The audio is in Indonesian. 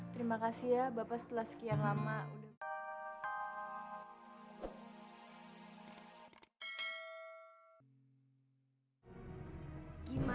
terima kasih ya bapak setelah sekian lama